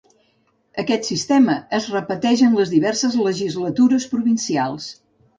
Aquest sistema es repeteix en les diverses legislatures provincials.